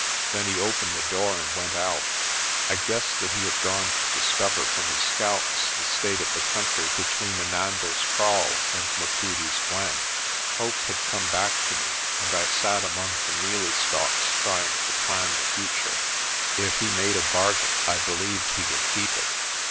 Then he opened the door and went out. I guessed that he had gone to discover from his scouts the state of the country between Inanda's Kraal and Machudi's glen. Hope had come back to me and I sat among the mealie stalks trying to plan the future. If he made a bargain, I believed he would keep it.